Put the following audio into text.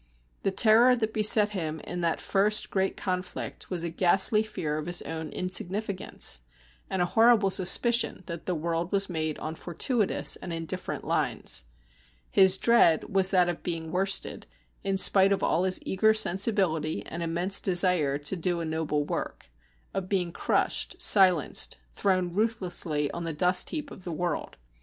The terror that beset him in that first great conflict was a ghastly fear of his own insignificance, and a horrible suspicion that the world was made on fortuitous and indifferent lines. His dread was that of being worsted, in spite of all his eager sensibility and immense desire to do a noble work, of being crushed, silenced, thrown ruthlessly on the dust heap of the world.